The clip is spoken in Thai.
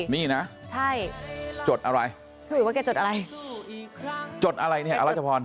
มีนะจดอะไรสมมติว่าแกจดอะไรจดอะไรเนี่ยอรัชพร